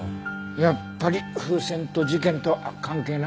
やっぱり風船と事件とは関係なかったね。